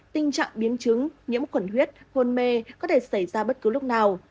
tình trạng biến chứng nhiễm khuẩn huyết hôn mê có thể xảy ra bất cứ lúc nào